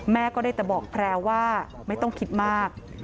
ก็ได้แต่บอกแพรวว่าไม่ต้องคิดมาก